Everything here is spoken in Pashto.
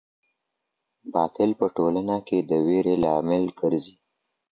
باطل په ټولنه کي د وېري لامل ګرځي.